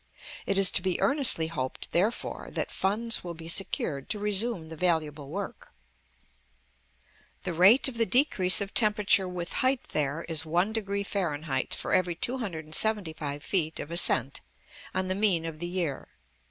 It is to be earnestly hoped, therefore, that funds will be secured to resume the valuable work. The rate of the decrease of temperature with height there is 1° Fahr. for every 275 feet of ascent, on the mean of the year.